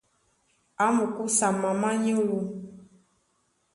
A mukúsa mamá nyólo.